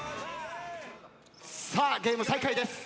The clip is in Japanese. さあゲーム再開です。